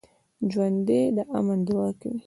ژوندي د امن دعا کوي